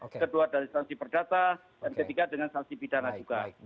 kedua dari sanksi perdata dan ketiga dengan sanksi pidana juga